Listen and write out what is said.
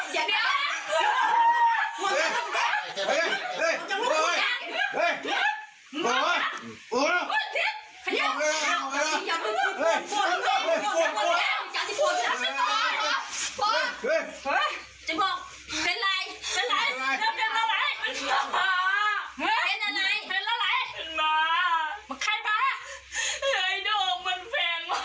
โด่งมันแฝงมา